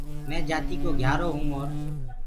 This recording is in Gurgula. مينٚ جآتيٚڪو گهيٚآرو هونٚ اور